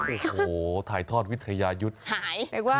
โอโหถ่ายถ้อนวิทยายุทธหาย